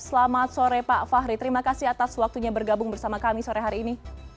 selamat sore pak fahri terima kasih atas waktunya bergabung bersama kami sore hari ini